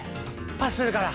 パスするから。